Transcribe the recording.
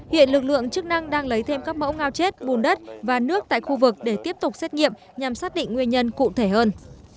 hiện lực lượng chức năng đang lấy thêm các mẫu ngao chết bùn đất và nước tại khu vực để tiếp tục xét nghiệm nhằm xác định nguyên nhân cụ thể hơn